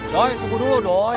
doi tunggu dulu doi